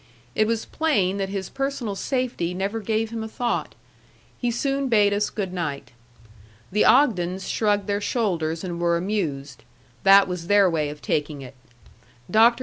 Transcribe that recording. It was plain that his personal safety never gave him a thought. He soon bade us good night. The Ogdens shrugged their shoulders and were amused. That was their way of taking it. Dr.